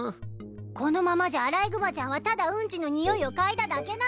このままじゃアライグマちゃんはただウンチのにおいを嗅いだだけなのでぃす。